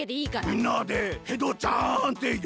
みんなでヘドちゃんってよんでくれ。